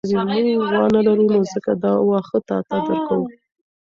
موږ غوا نه لرو نو ځکه دا واښه تاته درکوو.